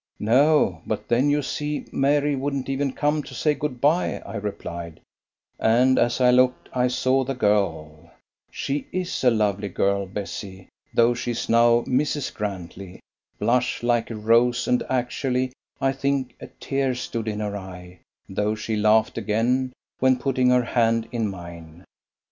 "No; but then you see Mary wouldn't even come to say 'good bye,'" I replied; and, as I looked, I saw the girl she is a lovely girl, Bessie, though she's now Mrs. Grantley blush like a rose, and actually, I think, a tear stood in her eye, though she laughed again when putting her hand in mine.